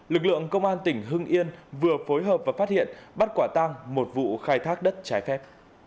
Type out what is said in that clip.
lực lượng công an tỉnh hưng yên vừa phối hợp và phát hiện bắt quả tang một vụ khai thác đất trái phép